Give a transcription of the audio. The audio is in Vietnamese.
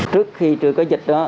trước khi trưa có dịch đó